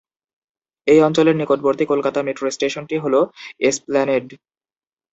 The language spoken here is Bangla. এই অঞ্চলের নিকটবর্তী কলকাতা মেট্রো স্টেশনটি হল এসপ্ল্যানেড।